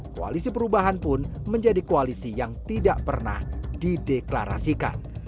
koalisi perubahan pun menjadi koalisi yang tidak pernah dideklarasikan